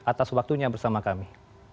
atas waktunya bersama kami